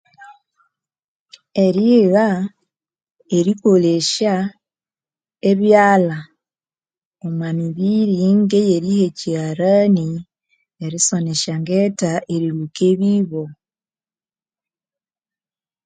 Eryigha erikolesya ebyalha omwa mibiri ngeyerigha ekyiharani, erisona esya ngetha, erilhuka ebibo.